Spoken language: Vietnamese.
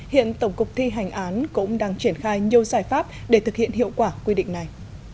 hiện tổng cục thi hành án cũng đang triển khai nhiều giải pháp để thực hiện hiệu quả quy định này